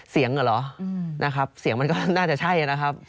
เหรอนะครับเสียงมันก็น่าจะใช่นะครับ